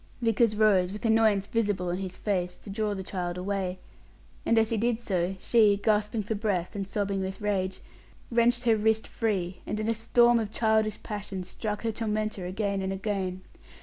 Vickers rose, with annoyance visible on his face, to draw the child away; and as he did so, she, gasping for breath, and sobbing with rage, wrenched her wrist free, and in a storm of childish passion struck her tormentor again and again.